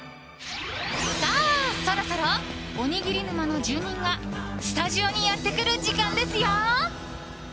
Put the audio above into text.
さあ、そろそろおにぎり沼の住人がスタジオにやってくる時間ですよ。